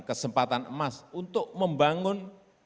kesempatan emas untuk membangun